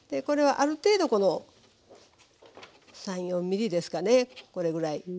これはある程度この３４ｍｍですかねこれぐらい。